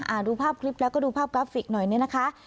ดูภาพคลิปแล้วก็ดูภาพกราฟิกหน่อยเนี่ยนะคะ